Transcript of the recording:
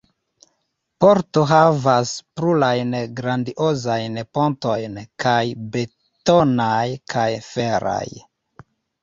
Porto havas plurajn grandiozajn pontojn – kaj betonaj, kaj feraj.